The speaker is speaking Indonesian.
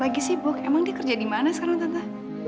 lagi sibuk emang dia kerja di mana sekarang tata